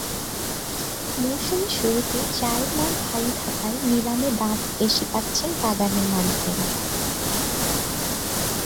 মৌসুমের শুরুতে চায়ের মান ভালো থাকায় নিলামে দামও বেশি পাচ্ছেন বাগানের মালিকেরা।